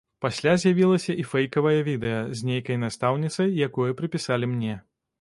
Пасля з'явілася і фэйкавае відэа з нейкай настаўніцай, якое прыпісалі мне.